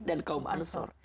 dan kaum ansur